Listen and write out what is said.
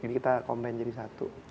jadi kita combine jadi satu